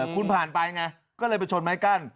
คุณผ่านไปไงก็เลยไปชนไม้กั้น